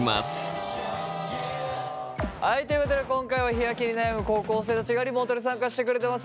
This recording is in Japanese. はいということで今回は日焼けに悩む高校生たちがリモートに参加してくれてます。